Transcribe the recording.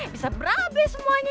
bisa berabe semuanya